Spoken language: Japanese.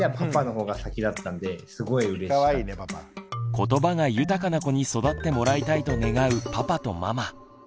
ことばが豊かな子に育ってもらいたいと願うパパとママ。